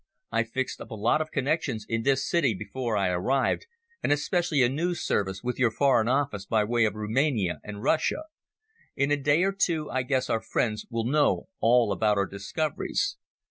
I fixed up a lot of connections in this city before I arrived, and especially a noos service with your Foreign Office by way of Rumania and Russia. In a day or two I guess our friends will know all about our discoveries."